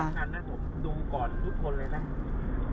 ผมดูก่อนทุกคนเลยนะ